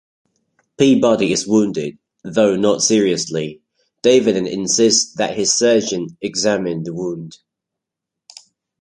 Peabody is wounded, though not seriously; Davenant insists that his surgeon examine the wound.